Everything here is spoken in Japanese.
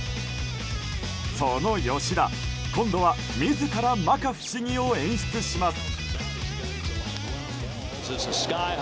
その吉田、今度は自ら摩訶不思議を演出します。